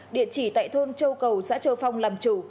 địa chỉ tại thôn châu cầu xã châu phong làm chủ